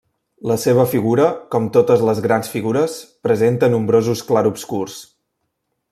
La seva figura, com totes les grans figures, presenta nombrosos clarobscurs.